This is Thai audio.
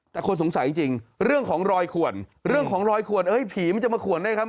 แต่คนสงสัยจริงเรื่องของรอยขวนเรื่องของรอยขวนเอ้ยผีมันจะมาขวนได้ครับ